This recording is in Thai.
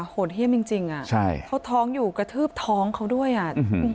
โหดเยี่ยมจริงจริงอ่ะใช่เขาท้องอยู่กระทืบท้องเขาด้วยอ่ะ